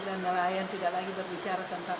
dan nelayan tidak lagi berbicara tentang